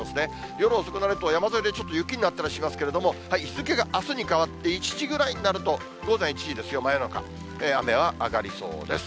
夜遅くなると、山沿いでちょっと雪になったりしますけど、日付があすに変わって１時ぐらいになると、午前１時ですよ、真夜中、雨は上がりそうです。